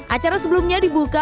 acara sebelumnya dibuka